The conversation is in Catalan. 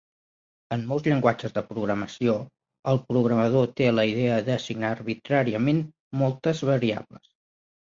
En molts llenguatges de programació, el programador té la idea d'assignar arbitràriament moltes variables.